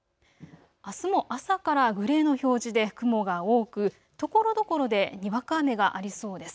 あすも朝からグレーの表示で雲が多くところどころでにわか雨がありそうです。